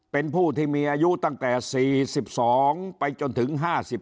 เป็นผู้ที่มีอายุตั้งแต่๔๒ไปจนถึง๕๓